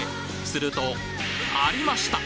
するとありました！